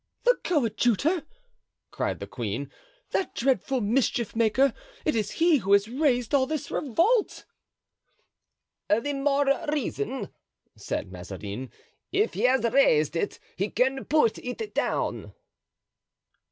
"The coadjutor!" cried the queen, "that dreadful mischief maker! It is he who has raised all this revolt." "The more reason," said Mazarin; "if he has raised it he can put it down."